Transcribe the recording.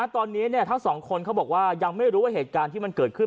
ตอนนี้ทั้งสองคนเขาบอกว่ายังไม่รู้ว่าเหตุการณ์ที่มันเกิดขึ้น